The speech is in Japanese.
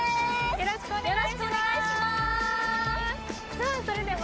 よろしくお願いします。